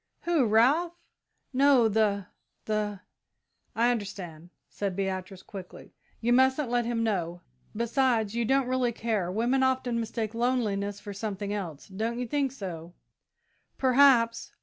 "Who? Ralph?" "No the the " "I understand," said Beatrice, quickly; "you mustn't let him know. Besides, you don't really care. Women often mistake loneliness for something else don't you think so?" "Perhaps.